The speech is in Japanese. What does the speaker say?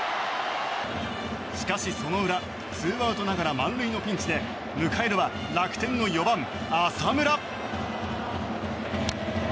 しかし、その裏ツーアウトながら満塁のピンチで迎えるは楽天の４番、浅村。